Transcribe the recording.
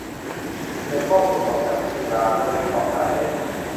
เก็บข้อมูลของนักกีฬาเพื่อวิเคราะห์การเล่น